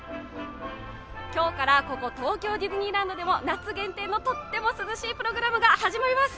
今日からここ、東京ディズニーランドでも夏限定のとっても涼しいプログラムが始まります。